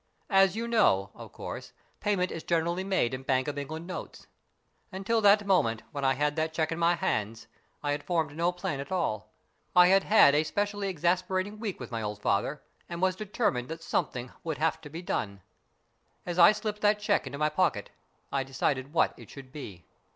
As you know, of course, payment is generally made in Bank of England notes. Until the moment when I had that cheque in my hands I had formed no plan at all. I had had a specially exasperating week with my old father, and was determined that something would have to be done. As I slipped that cheque into my pocket I decided what it should be.